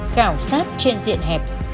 cảo sát trên diện hẹp